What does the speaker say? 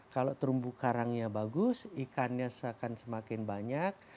kalau terumbu karangnya bagus ikannya akan semakin banyak